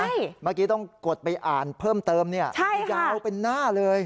เมื่อกี้ต้องกดไปอ่านเพิ่มเติมยาวเป็นหน้าเลย